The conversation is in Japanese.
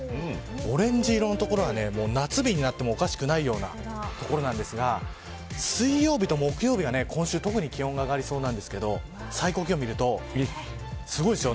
オレンジ色の所が夏日になってもおかしくないような所なんですが水曜日と木曜日が今週特に気温が上がりそうなんですけど最高気温を見るとすごいですよ。